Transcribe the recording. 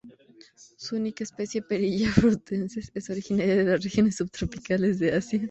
Su única especie "Perilla frutescens", es originaria de las regiones subtropicales de Asia.